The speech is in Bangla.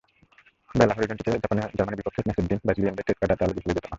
বেলো হরিজন্তেতে জার্মানির বিপক্ষে ম্যাচের দিন ব্রাজিলিয়ানদের টোটকাটা তাহলে বিফলে যেত না।